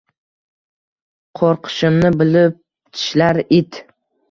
Qo’rqishimni bilib tishlar it.